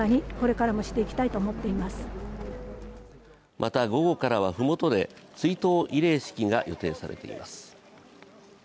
また午後からは麓で追悼慰霊式が予定されています。